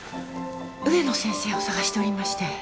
植野先生を探しておりまして。